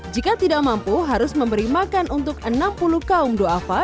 jika tidak mampu harus memberi makan untuk enam puluh kaum do'afa